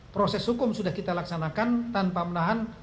proses hukum sudah kita laksanakan tanpa menahan